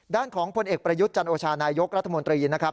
ด้านของพลเอกประยุทธ์จันโอชานายกรัฐมนตรีนะครับ